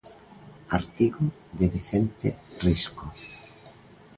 Artigo de Vicente Risco.